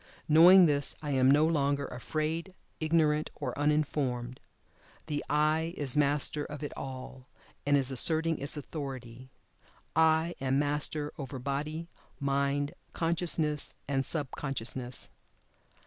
Knowing this I am no longer afraid, ignorant or uninformed. The "I" is master of it all, and is asserting its authority. "I" am master over Body, Mind, Consciousness, and Sub consciousness.